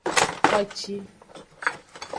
Xoci.